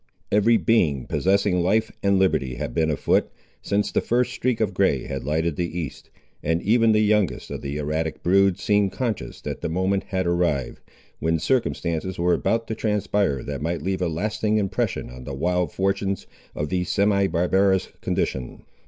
Every being possessing life and liberty had been afoot, since the first streak of grey had lighted the east; and even the youngest of the erratic brood seemed conscious that the moment had arrived, when circumstances were about to transpire that might leave a lasting impression on the wild fortunes of their semi barbarous condition.